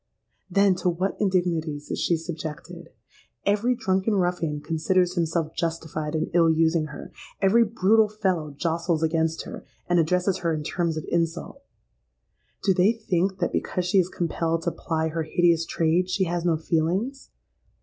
Then to what indignities is she subjected! Every drunken ruffian considers himself justified in ill using her: every brutal fellow jostles against her, and addresses her in terms of insult. Do they think that, because she is compelled to ply her hideous trade, she has no feelings?